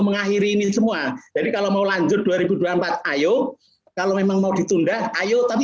mengakhiri ini semua jadi kalau mau lanjut dua ribu dua puluh empat ayo kalau memang mau ditunda ayo tapi